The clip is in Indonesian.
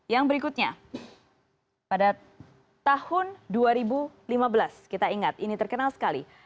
yang berikutnya pada tahun dua ribu lima belas kita ingat ini terkenal sekali